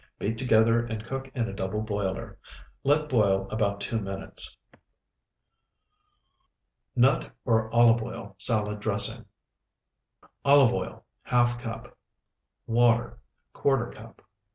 Beat together and cook in double boiler. Let boil about two minutes. NUT OR OLIVE OIL SALAD DRESSING Olive oil, ½ cup. Water, ¼ cup.